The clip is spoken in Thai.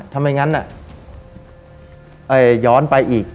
ทำไมงั้นย้อนไปอีก